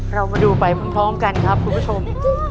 เรามาดูไปพร้อมกันครับคุณผู้ชม